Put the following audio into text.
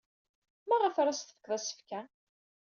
Maɣef ara as-tefked asefk-a?